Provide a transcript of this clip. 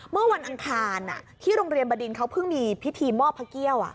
เมื่อวันอังคารที่โรงเรียนบดินเขาเพิ่งมีพิธีมอบพระเกี้ยว